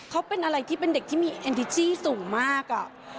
เขาเป็นอะไรที่เป็นเด็กที่มีแอนติจี้สูงมาก